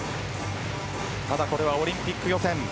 ただ、これはオリンピック予選。